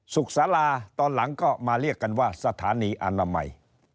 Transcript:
สาราตอนหลังก็มาเรียกกันว่าสถานีอนามัย